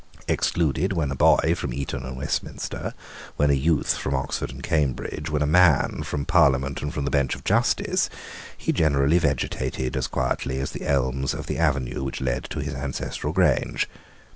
Excluded, when a boy, from Eton and Westminster, when a youth, from Oxford and Cambridge, when a man, from Parliament and from the bench of justice, he generally vegetated as quietly as the elms of the avenue which led to his ancestral grange.